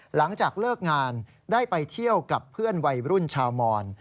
หลังจากเลิกงานได้ไปเที่ยวกับเพื่อนวัยรุ่นชาวมอน